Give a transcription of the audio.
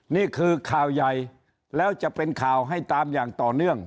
นี่คือข่าวใหญ่แล้วจะเป็นข่าวให้ตามอย่างต่อเนื่อง